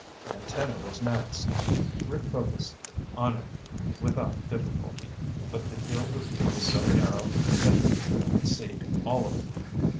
The antenna was next. Rick focused on it without difficulty, but the field of view was so narrow that he couldn't see all of it.